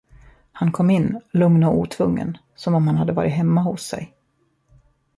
Han kom in, lugn och otvungen, som om han varit hemma hos sig.